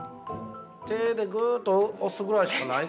手でぐっと押すぐらいしかないか。